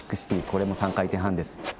これも３回転半です。